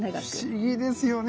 不思議ですよね